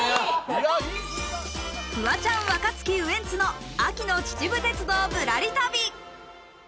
フワちゃん、若槻、ウエンツの秋の秩父鉄道ぶらり旅。